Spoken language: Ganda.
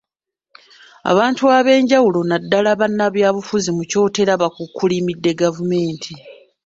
Abantu ab’enjawulo naddala bannabyabufuzi mu Kyotera bakukkulumidde gavumenti.